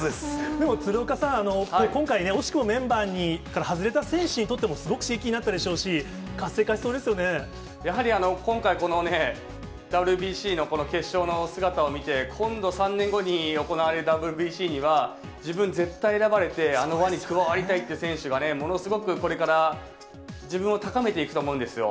でも、鶴岡さん、今回ね、惜しくもメンバーから外れた選手にとってもすごく刺激になったでやはり今回、ＷＢＣのこの決勝の姿を見て、今度、３年後に行われるＷＢＣには、自分絶対選ばれて、あの輪に加わりたいという選手がね、ものすごく、これから自分を高めていくと思うんですよ。